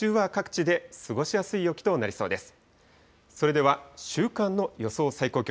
日中は各地で過ごしやすい陽気となりそうです。